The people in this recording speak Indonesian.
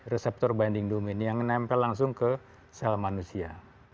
reseptor binding domain yang menempel langsung ke sel manusia